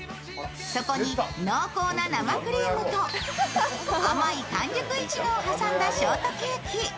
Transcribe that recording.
そこに濃厚な生クリームと甘い完熟いちごを挟んだショートケーキ。